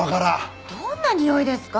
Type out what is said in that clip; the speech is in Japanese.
どんなにおいですか？